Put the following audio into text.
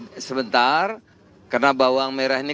ini bagaiman yang kalian beri beri